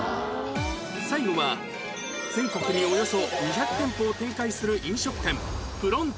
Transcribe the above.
最後は全国におよそ２００店舗を展開する飲食店プロント